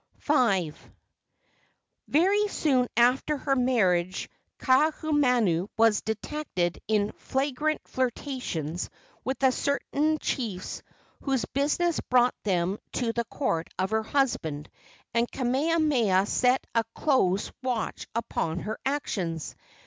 V. Very soon after her marriage Kaahumanu was detected in flagrant flirtations with certain chiefs whose business brought them to the court of her husband, and Kamehameha set a close watch upon her actions.